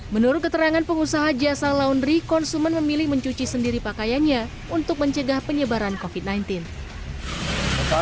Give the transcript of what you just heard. menurut keterangan pedagang sebuah perusahaan yang berpengalaman untuk mencari penurunan pendapatan